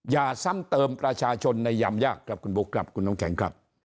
อย่าซ้ำเติมประชาชนในยามยาก